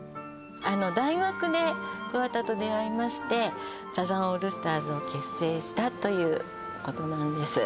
大学で桑田と出会いましてサザンオールスターズを結成したということなんです